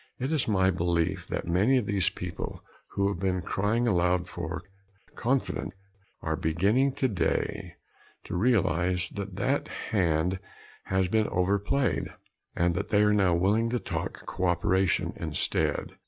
It is my belief that many of these people who have been crying aloud for "confidence" are beginning today to realize that that hand has been overplayed, and that they are now willing to talk cooperation instead.